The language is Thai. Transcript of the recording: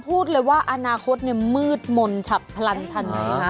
พูดเลยว่าอนาคตมืดมนต์ฉับพลันทันที